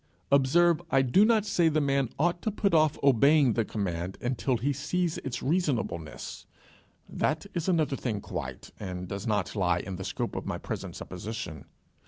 Observe I do not say the man ought to put off obeying the command until he see its reasonableness: that is another thing quite, and does not lie in the scope of my present supposition.